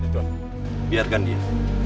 tuan biarkan dia